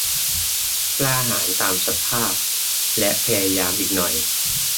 "กล้าหาญตามสภาพและพยายามอีกหน่อย"